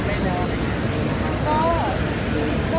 พึ่งมีว่านี้